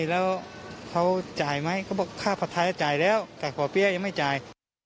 แล้วเขาจ่ายไหมเขาบอกค่าผัดไทยจ่ายแล้วแต่ป่อเปี๊ยะยังไม่จ่าย